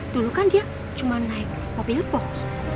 dulu kan dia cuma naik mobil